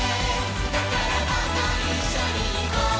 「だからどんどんいっしょにいこう」